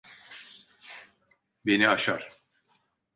Beni aşar.